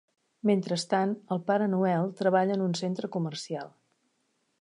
Mentrestant, el Pare Noel treballa en un centre comercial.